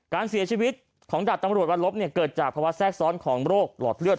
การเสียชีวิตของดาบตำรวจวันลบเกิดจากภาวะแทรกซ้อนของโรคหลอดเลือด